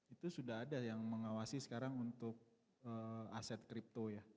itu sudah ada yang mengawasi sekarang untuk aset kripto ya